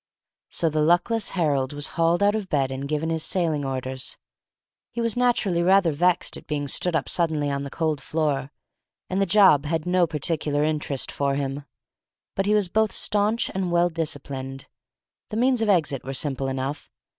So the luckless Harold was hauled out of bed and given his sailing orders. He was naturally rather vexed at being stood up suddenly on the cold floor, and the job had no particular interest for him; but he was both staunch and well disciplined. The means of exit were simple enough.